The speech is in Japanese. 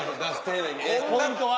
ポイントは？